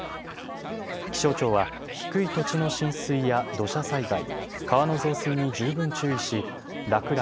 気象庁は低い土地の浸水や土砂災害、川の増水に十分注意し落雷、